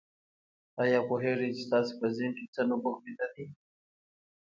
آيا پوهېږئ چې ستاسې په ذهن کې څه نبوغ ويده دی؟